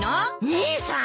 姉さん！